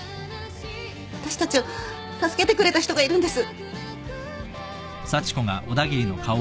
私たちを助けてくれた人がいるんです。